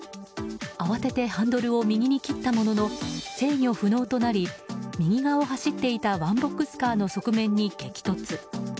慌ててハンドルを右に切ったものの制御不能となり右側を走っていたワンボックスカーの側面に激突。